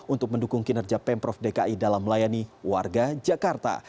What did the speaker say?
untuk mendukung kinerja pemprov dki dalam melayani warga jakarta